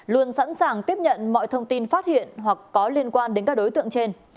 luôn sẵn sàng tiếp nhận mọi thông tin phát hiện hoặc có liên quan đến các đối tượng trên